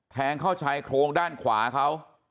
แทงเข้าชายโครงด้านขวาเขา